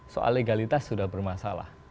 soal legalitas sudah bermasalah